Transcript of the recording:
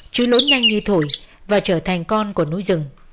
chứ lũ nhanh như thổi và trở thành con của núi rừng